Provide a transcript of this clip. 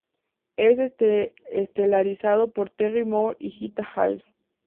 Es estelarizado por Terry Moore y Gita Hall.